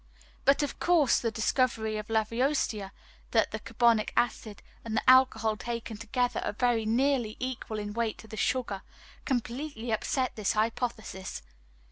But of course the discovery of Lavoisier that the carbonic acid and the alcohol taken together are very nearly equal in weight to the sugar, completely upset this hypothesis.